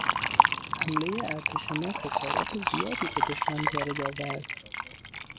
حملهٔ ارتش ما خسارات زیادی به دشمن وارد آورد.